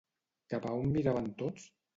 Cap a on miraven tots?